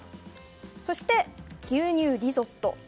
そして、牛乳リゾット。